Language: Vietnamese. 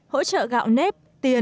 hỗ trợ gạo nước